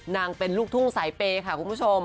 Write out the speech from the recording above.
นางเป็นลูกทุ่งสายเปย์ค่ะคุณผู้ชม